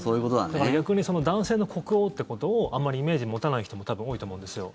だから逆に男性の国王ってことをあまりイメージ持たない人も多分、多いと思うんですよ。